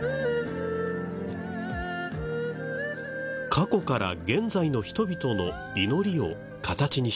過去から現在の人々の祈りを形にしてきました。